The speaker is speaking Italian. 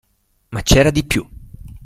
Ma c'era di più!